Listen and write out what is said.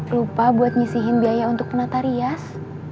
lupa buat ngisihin biaya untuk penata rias